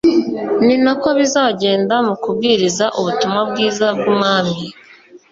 Ni nako bizagenda mu kubwiriza ubutumwa bwiza bw'ubwami.